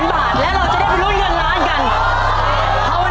และเราจะได้ไปรุ้นกันร้านกัน